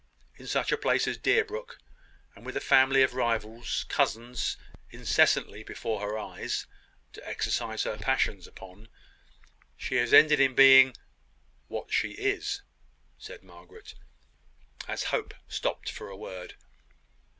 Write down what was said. In such a place as Deerbrook, and with a family of rivals' cousins incessantly before her eyes, to exercise her passions upon, she has ended in being " "What she is," said Margaret, as Hope stopped for a word.